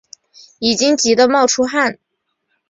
已经急的冒出汗